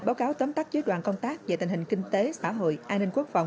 báo cáo tấm tắt dưới đoàn công tác về tình hình kinh tế xã hội an ninh quốc phòng